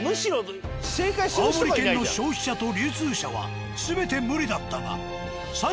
青森県の消費者と流通者は全て無理だったが農家さん。